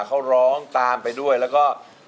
เขาร้องตามไปด้วยแล้วก็